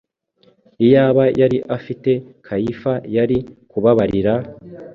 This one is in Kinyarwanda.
Iyaba yari afite, Kayifa yari kubabarira;